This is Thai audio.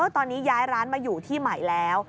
ตอนนี้ย้ายร้านมาอยู่ที่ใหม่แล้ว